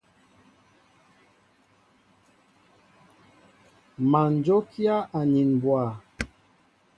Má njókíá anin mbwa.